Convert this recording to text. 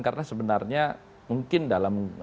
karena sebenarnya mungkin dalam